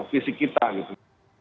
fisik kita gitu